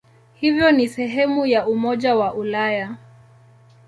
Hivyo ni sehemu ya Umoja wa Ulaya.